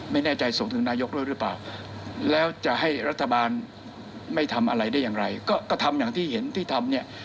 ไม่แน่ใจส่งถึงนายกด้วยหรือเปล่าแล้วจะให้รัฐบาลไม่ทำอะไรได้อย่างไรก็ทำอย่างที่เห็นที่ทำเนี่ย